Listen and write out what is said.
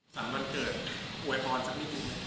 วันเกิดอวยพรสักนิดนึง